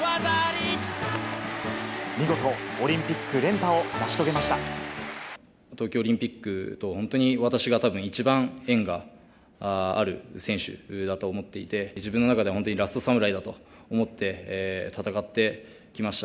見事、オリンピック連覇を成東京オリンピックと、本当に私がたぶん、一番縁がある選手だと思っていて、自分の中では本当にラストサムライだと思って戦ってきました。